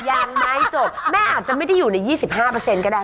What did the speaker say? ยังไม่จบแม่อาจจะไม่ได้อยู่ใน๒๕ก็ได้